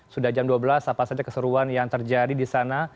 sudah jam dua belas apa saja keseruan yang terjadi di sana